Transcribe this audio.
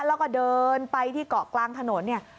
แล้วก็เดินไปที่เกาะกลางถนนเนี่ย